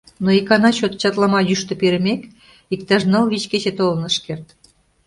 Но икана чот чатлама йӱштӧ перымек, иктаж ныл-вич кече толын ыш керт.